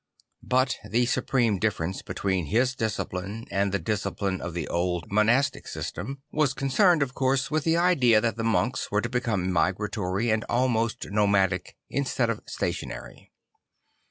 But the supreme difference between his discipline and the discipline of the old monastic 'Ihe 'Ihree Orders lIS system was concerned, of course, with the idea that the monks were to become migratory and almost nomadic instead of stationary.